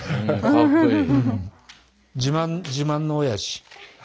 かっこいい。